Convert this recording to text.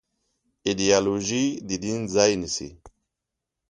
ایدیالوژي د دین ځای نيسي.